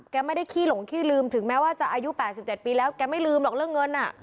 แกไม่ได้ขี้หลงขี้ลืมถึงแม้ว่าจะอายุ๘๗ปีแล้วแกไม่ลืมหรอกเรื่องเงิน